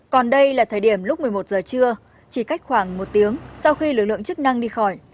còn đây là thời điểm lúc một mươi một giờ trưa chỉ cách khoảng một tiếng sau khi lực lượng chức năng đi khỏi